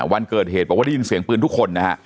วันเกิดเหตุบอกว่าได้ยินเสียงปืนทุกคนนะฮะ